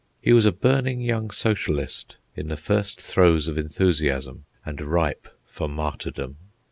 He was a burning young socialist, in the first throes of enthusiasm and ripe for martyrdom.